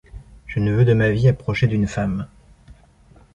Je ne veux de ma vie approcher d'une femme !